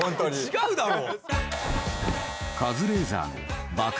違うだろ！